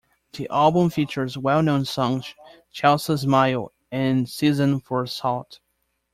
The album features well- known songs "Chelsea Smile" and "Season For Assault".